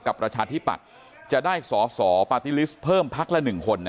กับประชาธิบัตรจะได้สสปฏิริสต์เพิ่มพักละหนึ่งคนนะฮะ